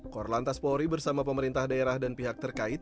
korlantas polri bersama pemerintah daerah dan pihak terkait